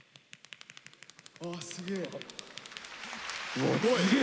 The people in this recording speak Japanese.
あすげえ。